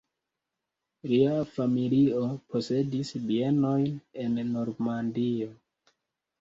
Lia familio posedis bienojn en Normandio.